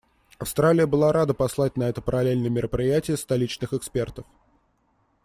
Австралия была рада послать на это параллельное мероприятие столичных экспертов.